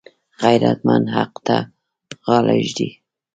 غیرتمند حق ته غاړه ږدي